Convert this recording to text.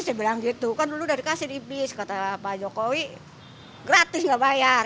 saya bilang gitu kan dulu udah dikasih di bis kata pak jokowi gratis nggak bayar